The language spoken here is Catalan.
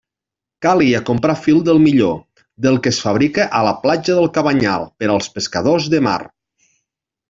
Calia comprar fil del millor, del que es fabrica a la platja del Cabanyal per als pescadors de mar.